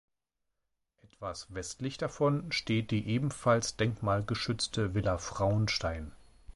Etwas westlich davon steht die ebenfalls denkmalgeschützte Villa Frauenstein.